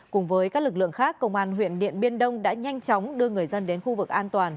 cùng với các lực lượng khác công an huyện điện biên đông đã nhanh chóng đưa người dân đến khu vực an toàn